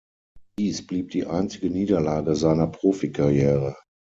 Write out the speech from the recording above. Dies blieb die einzige Niederlage seiner Profikarriere.